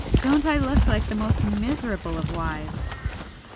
Don't I look like the most miserable of wives?"